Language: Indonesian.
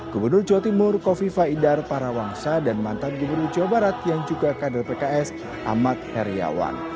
gubernur jawa timur kofi faidar para wangsa dan mantan gubernur jawa barat yang juga kader pks ahmad heriawan